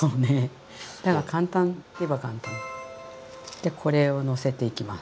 でこれをのせていきます。